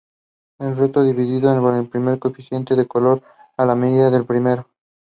Cultures had four different kinds of asexual sporulation and produced large quantities of erythritol.